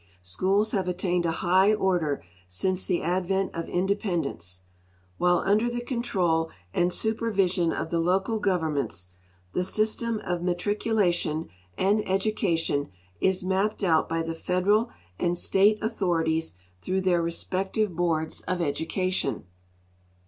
Schools have attained a high order since the advent of independence. While under the control and supervision of the local governments, the system of matriculation and education is mapped out by the federal and state authorities through their respective boards of education.